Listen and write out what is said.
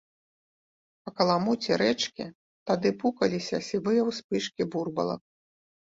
Па каламуці рэчкі тады пукаліся сівыя ўспышкі бурбалак.